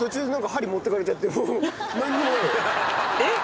えっ？